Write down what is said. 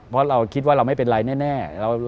เพราะเราคิดว่าเราไม่เป็นไรแน่